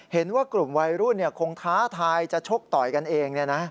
เห็นว่ากลุ่มวัยรุ่นคงท้าทายจะชกต่อยกันเอง